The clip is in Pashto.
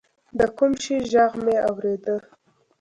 د کوم شي ږغ مې اورېده.